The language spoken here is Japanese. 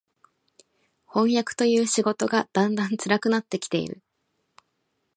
飜訳という仕事がだんだん辛くなって来ている